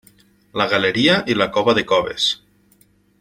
La galeria i la Cova de Coves.